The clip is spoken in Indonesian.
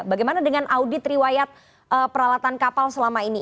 bagaimana dengan audit riwayat peralatan kapal selama ini